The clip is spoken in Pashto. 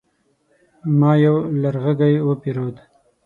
ما يو لرغږی وپيرود